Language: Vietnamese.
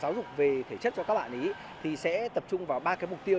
giáo dục về thể chất cho các bạn ấy thì sẽ tập trung vào ba cái mục tiêu